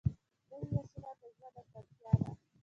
نوې وسیله د ژوند اسانتیا ده